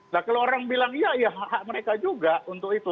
nah kalau orang bilang iya ya hak mereka juga untuk itu